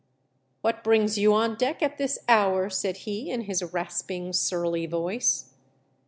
" What brings you on deck at this hour ?" said he, in his rasping, surly voice.